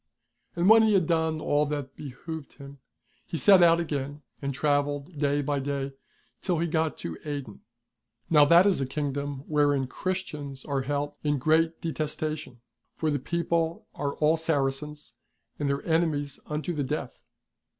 And when he had done all that behoved him, he set out again and travelled day by day till he got to Aden. Now that is a Kingdom wherein Christians are held in great detestation, for the people are all Saracens, and their enemies unto the death.